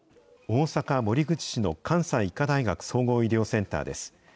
大阪・守口市の関西医科大学総合医療センターです。